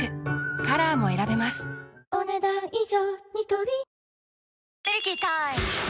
カラーも選べますお、ねだん以上。